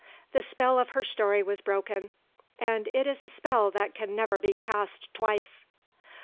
the spell of her story was broken, and it is a spell that can never be cast twice.